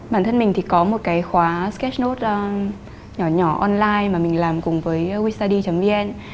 bản thân mình thì có một cái khóa sketch note nhỏ nhỏ online mà mình làm cùng với wistad vn